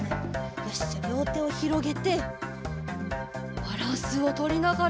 よしじゃありょうてをひろげてバランスをとりながら。